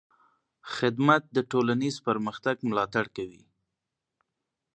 خدمت د ټولنیز پرمختګ ملاتړ کوي.